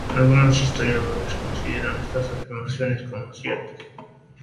Algunos historiadores consideran estas afirmaciones como ciertas.